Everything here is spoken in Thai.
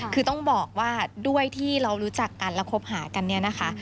คือต้องบอกว่าด้วยที่เรารู้จักกันและคบหากันเนี่ยนะคะ